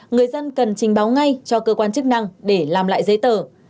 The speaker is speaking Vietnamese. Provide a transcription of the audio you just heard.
người dân cần trình báo ngay cho cơ quan chức năng để làm lại giấy tờ